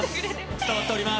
伝わっております。